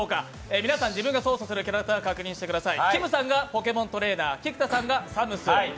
皆さん、自分が操作するキャラクターを確認してください。